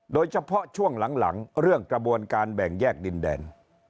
โดยเฉพาะช่วงหลังเรื่องกระบวนการแบ่งแยกดินแดน